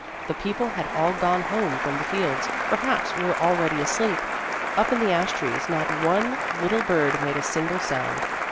The people had all gone home from the fields, perhaps were already asleep. Up in the ash trees not one little bird made a single sound.